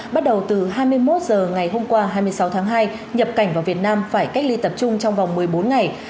bắt đầu từ hai mươi một h ngày hôm qua hai mươi sáu tháng hai nhập cảnh vào việt nam phải cách ly tập trung trong vòng một mươi bốn ngày